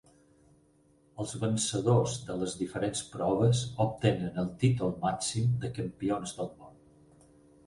Els vencedors de les diferents proves obtenen el títol màxim de Campions del Món.